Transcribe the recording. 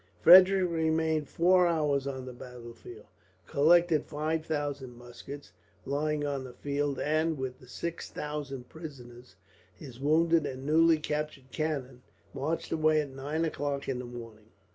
Frederick remained four hours on the battlefield, collected five thousand muskets lying on the field and, with the six thousand prisoners, his wounded, and newly captured cannon, marched away at nine o'clock in the morning.